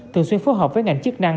thường xuyên phối hợp với ngành chức năng